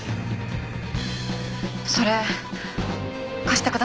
それ貸してください。